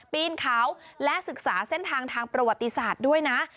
ปีนเขาและศึกษาเส้นทางทางประวัติศาสตร์ด้วยนะ